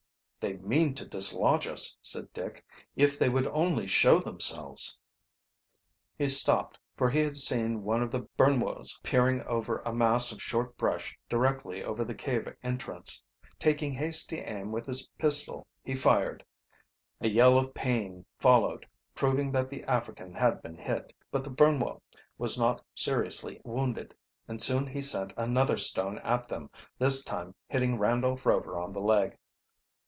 "They mean to dislodge us," said Dick. "If they would only show themselves " He stopped, for he had seen one of the Bumwos peering over a mass of short brush directly over the cave entrance. Taking hasty aim with his pistol be fired. A yell of pain followed, proving that the African had been hit. But the Bumwo was not seriously wounded, and soon he sent another stone at them, this time hitting Randolph Rover on the leg.